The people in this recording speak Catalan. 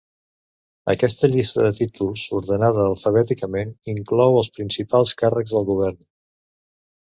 Aquesta llista de títols, ordenada alfabèticament, inclou els principals càrrecs del govern.